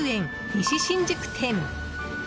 西新宿店。